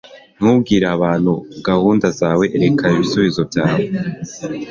Ntubwire abantu gahunda zawe. Erekana ibisubizo byawe.